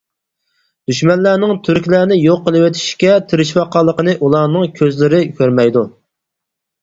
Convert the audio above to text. دۈشمەنلەرنىڭ تۈركلەرنى يوق قىلىۋېتىشكە تىرىشىۋاتقانلىقىنى ئۇلارنىڭ كۆزلىرى كۆرمەيدۇ.